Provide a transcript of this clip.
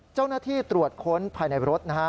เจ้าหน้าที่ตรวจค้นภายในรถนะฮะ